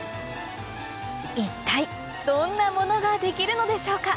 一体どんなものが出来るのでしょうか？